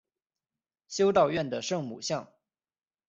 修道院的圣母像。